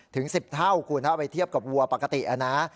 ถึง๑๐เท่าคูณฮะไปเทียบกับวัวปกตินะฮะ